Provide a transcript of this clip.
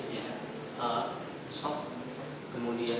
ya itu dia